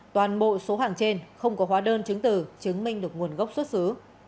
toàn bộ số hàng trên không có hóa đơn chứng từ chứng minh được nguồn gốc xuất xứ